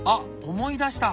思い出した！